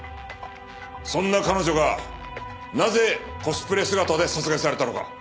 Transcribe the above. そんな彼女がなぜコスプレ姿で殺害されたのか。